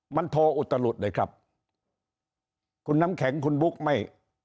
มันโทอุตลุดเลยครับคุณน้ำแข็งคุณบุ๊กไม่